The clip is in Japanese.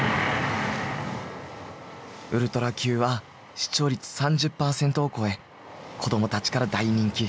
「ウルトラＱ」は視聴率３０％を超え子供たちから大人気。